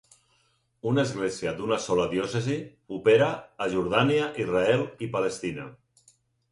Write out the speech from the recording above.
Una església d'una sola diòcesi opera a Jordània, Israel i Palestina.